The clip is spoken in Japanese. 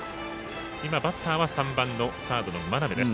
今、バッターは３番のサードの眞邉です。